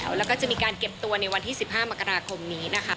แล้วก็จะมีการเก็บตัวในวันที่๑๕มกราคมนี้นะคะ